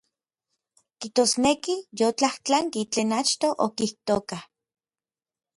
Kijtosneki yotlajtlanki tlen achtoj okijtojka.